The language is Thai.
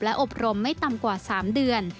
อบรมไม่ต่ำกว่า๓เดือน